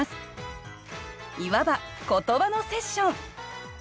いわば言葉のセッション。